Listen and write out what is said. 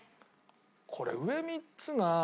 これ上３つが。